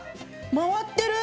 回ってる！